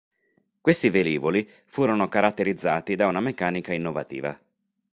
Questi velivoli furono caratterizzati da una meccanica innovativa.